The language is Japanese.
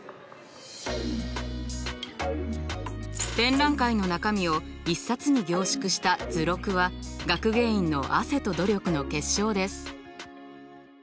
展覧会の中身を１冊に凝縮した図録は学芸員の汗と努力の結晶です。